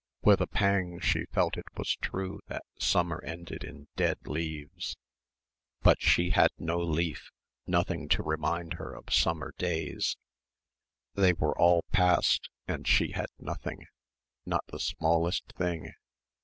With a pang she felt it was true that summer ended in dead leaves. But she had no leaf, nothing to remind her of her summer days. They were all past and she had nothing not the smallest thing.